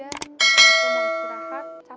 aku mau istirahat